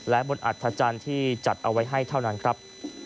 และบนอัธจันทร์ที่จัดเอาไว้ให้เท่านั้นครับ